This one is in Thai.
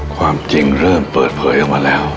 ความจริงเริ่มเปิดเผยออกมาแล้ว